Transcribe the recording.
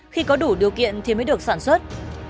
khi có đủ điều kiện thì mới được sản xuất